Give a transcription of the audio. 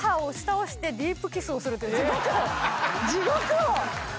地獄を！